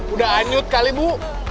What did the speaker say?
udah anyut kali bu